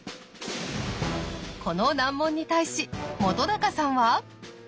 この難問に対し本さんは？